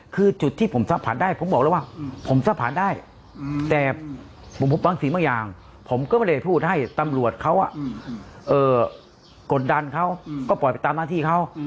คือจุดที่ผมซัมผัสได้